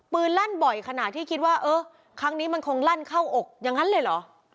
ลั่นบ่อยขนาดที่คิดว่าเออครั้งนี้มันคงลั่นเข้าอกอย่างนั้นเลยเหรอ